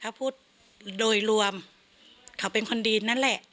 ถ้าพูดโดยรวมเขาเป็นคนดีนั่นแหละ